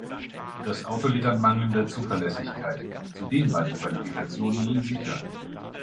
Das Auto litt an mangelnder Zuverlässigkeit; zudem war die Qualifikation nie sicher.